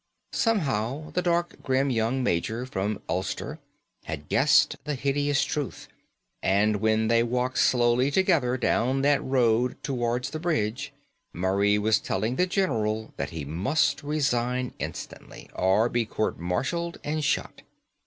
Somehow the dark, grim young major from Ulster had guessed the hideous truth; and when they walked slowly together down that road towards the bridge Murray was telling the general that he must resign instantly, or be court martialled and shot.